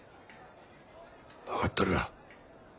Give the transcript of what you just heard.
分かっとるわ。